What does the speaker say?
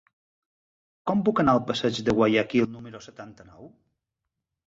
Com puc anar al passeig de Guayaquil número setanta-nou?